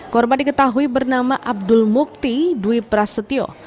korban diketahui bernama abdul mukti dwi prasetyo